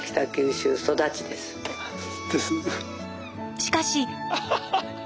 しかし。